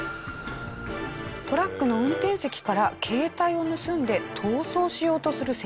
トラックの運転席から携帯を盗んで逃走しようとする窃盗犯。